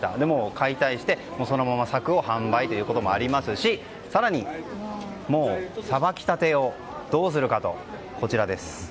解体してそのままサクを販売ということもありますし更にさばきたてをどうするかというとこちらです。